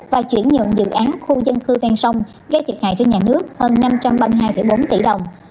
và chuyển nhận dự án khu dân cư ven sông gây thiệt hại cho nhà nước hơn năm trăm ba mươi hai bốn tỷ đồng